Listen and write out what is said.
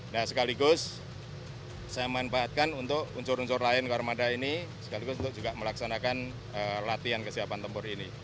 nah sekaligus saya manfaatkan untuk unsur unsur lain ke armada ini sekaligus untuk juga melaksanakan latihan kesiapan tempur ini